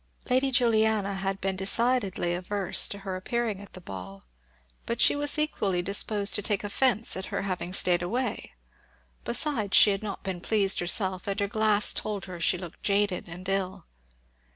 Lady Juliana had been decidedly averse to her appearing at the ball, but she was equally disposed to take offence at her having stayed away; besides, she had not been pleased herself, and her glass told her she looked jaded and ill.